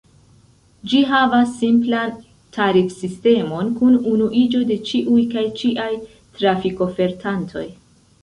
Ĝi havas simplan tarifsistemon kun unuiĝo de ĉiuj kaj ĉiaj trafikofertantoj.